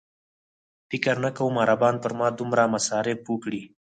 فکر نه کوم عربان پر ما دومره مصارف وکړي.